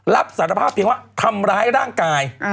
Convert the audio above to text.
รับสารภาพเพียงว่าทำร้ายร่างกาย